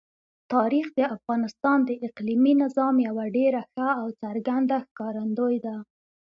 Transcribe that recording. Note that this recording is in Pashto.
تاریخ د افغانستان د اقلیمي نظام یوه ډېره ښه او څرګنده ښکارندوی ده.